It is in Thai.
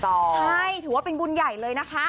ใช่ถือว่าเป็นบุญใหญ่เลยนะคะ